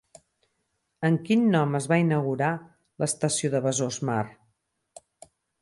Amb quin nom es va inaugurar l'estació de Besòs Mar?